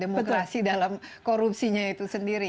demokrasi dalam korupsinya itu sendiri